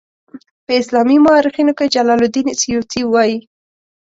په اسلامي مورخینو کې جلال الدین سیوطي وایي.